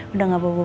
udah gak bawa bawa